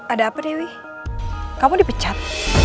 ada apa dewi kamu dipecat